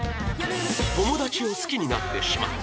友達を好きになってしまった